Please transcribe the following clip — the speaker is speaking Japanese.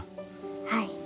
はい。